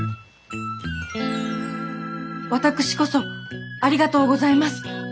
私こそありがとうございます。